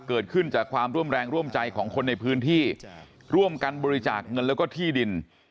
เกิดขึ้นจากความร่วมแรงร่วมใจของคนในพื้นที่ร่วมกันบริจาคเงินแล้วก็ที่ดิน